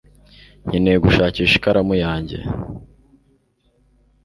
nkeneye gushakisha ikaramu yanjye